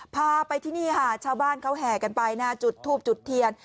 พาไปที่นี่ค่ะชาวบ้านเขาแห่กันไปนะจุดทูบจุดเทียน